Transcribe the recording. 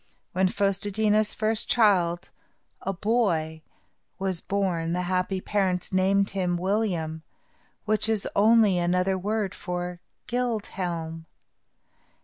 When Fos te dí na's first child, a boy, was born, the happy parents named him William, which is only another word for Gild Helm.